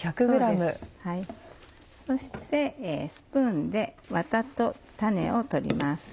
そしてスプーンでワタと種を取ります。